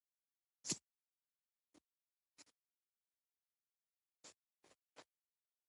ماښامنۍ یې جوړه کړې وه.